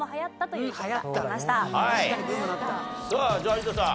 さあじゃあ有田さん。